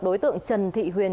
đối tượng trần thị huyền